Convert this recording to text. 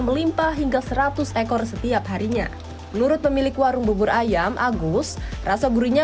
melimpa hingga seratus ekor setiap harinya menurut pemilik warung bubur ayam agus rasa gurihnya